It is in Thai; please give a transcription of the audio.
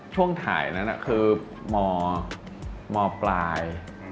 ช่วงถ่ายนั้นคือมปลาย